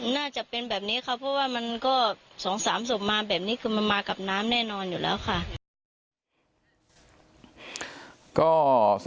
น่าจะเป็นแบบนี้ครับเพราะว่ามันก็๒๓ศพมาแบบนี้คือมันมากับน้ำแน่นอนอยู่แล้วค่ะ